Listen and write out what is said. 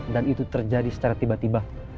dan itu terjadi secara tiba tiba